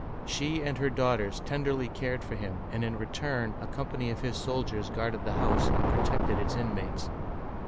She and her daughters tenderly cared for him, and in return a company of his soldiers guarded the house and protected its inmates.